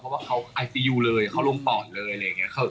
เพราะว่าเขาไอซียูเลยเขาล้มปอดเลยอะไรอย่างนี้